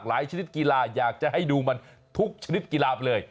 ชนิดกีฬาอยากจะให้ดูมันทุกชนิดกีฬาไปเลย